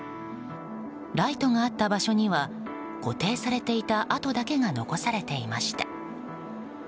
ライトがあった場所には固定されていた跡だけが残されていました。